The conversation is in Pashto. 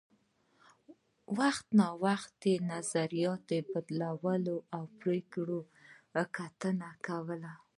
وخت نا وخت یې نظریات بدلول او پر پرېکړو یې کتنه کوله